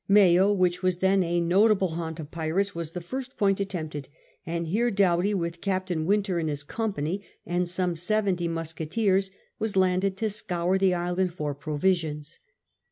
Mayo, which was then a notable haunt of pirates, was the first point attempted, and here Doughty, with Captain Wynter in his company and some seventy musketeers, was landed to scour the island for provisions.